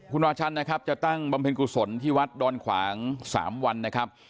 คุณวาชันนะครับจะตั้งบำเพ็ญกุศลที่วัดดอนขวาง๓วันนะครับ